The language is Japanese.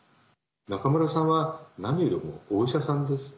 中村さんは何よりもお医者さんです。